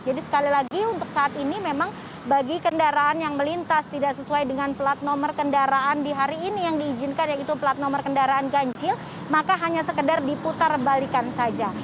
jadi sekali lagi untuk saat ini memang bagi kendaraan yang melintas tidak sesuai dengan plat nomor kendaraan di hari ini yang diizinkan yaitu plat nomor kendaraan ganjil maka hanya sekedar diputar balikan saja